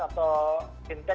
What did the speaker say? atau intake atau apapun gitu ya